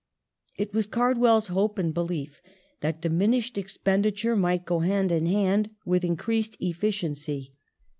It was Cardwell's hope and belief that diminished expenditure The War might go hand in hand with increased efficiency.